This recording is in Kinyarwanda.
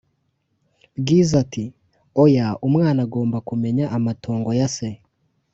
Bwiza ati"oya umwana agomba kumenya amatongo Yase "